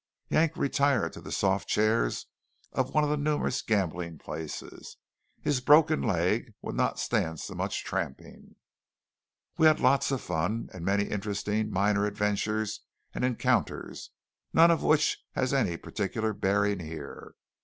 Yank retired to the soft chairs of one of the numerous gambling places. His broken leg would not stand so much tramping. We had lots of fun, and many interesting minor adventures and encounters, none of which has any particular bearing here.